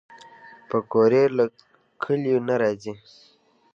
پکورې له کلیو نه راځي